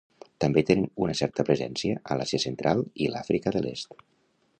També tenen una certa presència a l'Àsia central i l'Àfrica de l'est.